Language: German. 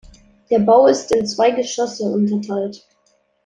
Der Bau ist in zwei Geschosse unterteilt.